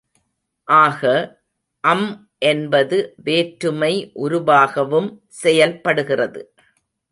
ஆக, அம் என்பது வேற்றுமை உருபாகவும் செயல்படுகிறது.